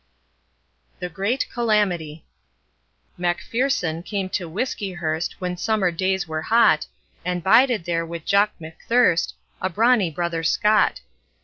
The Great Calamity MacFierce'un came to Whiskeyhurst When summer days were hot, And bided there wi' Jock McThirst, A brawny brother Scot.